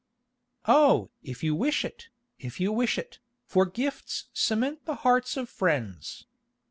"Oh! if you wish it, if you wish it, for gifts cement the hearts of friends.